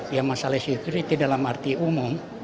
yang masalahnya security dalam arti umum